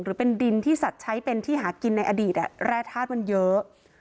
หรือเป็นดินที่สัตว์ใช้เป็นที่หากินในอดีตแร่ธาตุมันเยอะ